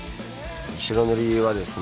白塗りはですね